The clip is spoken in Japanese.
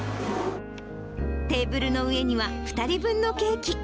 テーブルの上には２人分のケーキ。